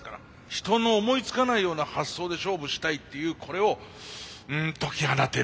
人の思いつかないような発想で勝負したいっていうこれを解き放てるか。